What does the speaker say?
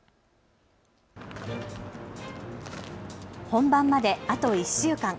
本番まであと１週間。